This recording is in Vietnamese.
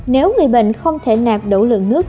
nếu người bệnh không thể nạp đủ lượng nước